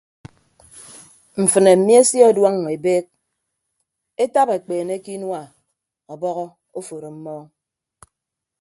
Mfịnne mmi esie ọduọñọ ebeek etap ekpeene ke inua ọbọhọ oforo mmọọñ.